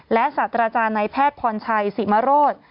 และศาสตราจารย์ในแพทย์พรชัยสิมโรธ